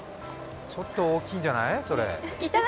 ちょっと大きいんじゃない？